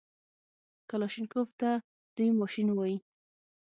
کلاشينکوف ته دوى ماشين وايي.